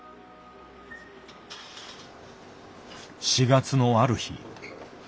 ４月のある日。